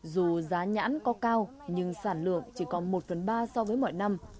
dù giá nhãn có cao nhưng sản lượng chỉ còn một phần ba so với mọi năm